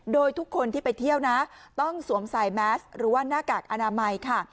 โดยทุกคนที่ไปเที่ยวนะต้องสวมใส่แมสหรือว่าหน้ากากอนามัยค่ะ